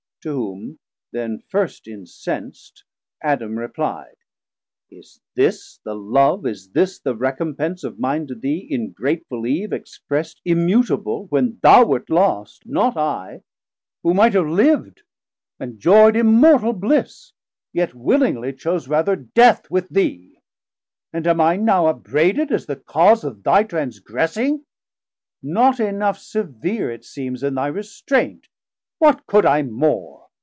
To whom then first incenst Adam repli'd. Is this the Love, is the recompence Of mine to thee, ingrateful Eve, exprest Immutable when thou wert lost, not I, Who might have liv'd and joyd immortal bliss, Yet willingly chose rather Death with thee: And am I now upbraided, as the cause Of thy transgressing? not enough severe, It seems, in thy restraint: what could I more?